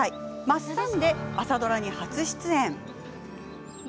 「マッサン」で朝ドラに初出演。